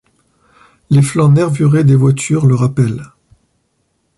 Les flancs nervurés des voitures le rappellent.